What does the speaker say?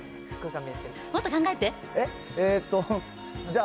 もっと考えて。